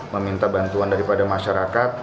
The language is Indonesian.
meminta bantuan daripada masyarakat